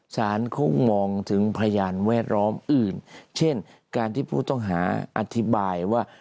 สารคงมองถึงพยานแวดล้อมอื่นเช่นการที่ผู้ต้องหาอธิบายว่า